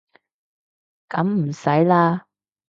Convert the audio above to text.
噉唔使啦